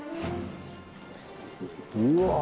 うわ！